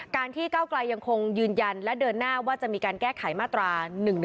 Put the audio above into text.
ที่เก้าไกลยังคงยืนยันและเดินหน้าว่าจะมีการแก้ไขมาตรา๑๑๒